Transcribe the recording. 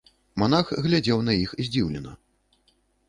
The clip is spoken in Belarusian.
Манах глядзеў на іх здзіўлена.